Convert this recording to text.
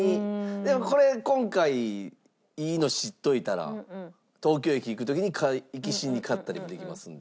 でもこれ今回いいの知っといたら東京駅行く時に行きしに買ったりもできますんで。